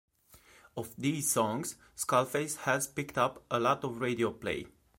Of these songs, 'Skullface' has picked up a lot of radio play.